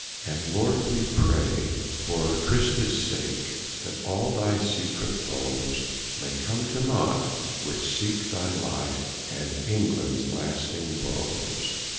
And, Lord, we pray, for Christes sake, That all thy secret foes May come to naught, which seeke thy life And Englands lasting woes.